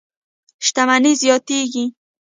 شتمنۍ زیاتېږي.